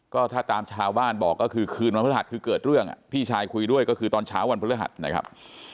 ก็ถ้าตามชาวบ้านบอกก็คือคืนวันพฤหัสคือเกิดเรื่องพี่ชายคุยด้วยก็คือตอนเช้าวันพฤหัสนะครับ